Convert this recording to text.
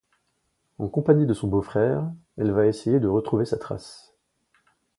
En compagnie de son beau-frère, elle va essayer de retrouver sa trace.